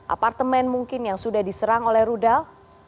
apartemen mungkin yang sudah diserang oleh rudal